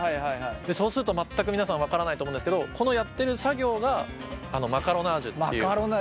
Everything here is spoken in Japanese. そうすると全く皆さん分からないと思うんですけどこのやってる作業がこの作業をマカロナージュっていうんだ。